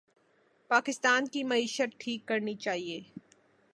ملک کی معیشت ٹھیک کرنی ہے